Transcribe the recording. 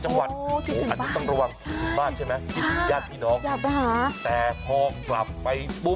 จับได้ไหมจับได้ไหม